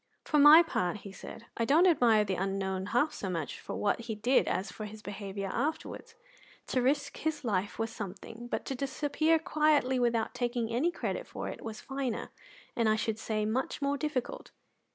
"For my part," he said, "I don't admire the unknown half so much for what he did as for his behaviour afterwards. To risk his life was something, but to disappear quietly without taking any credit for it was finer and I should say much more difficult."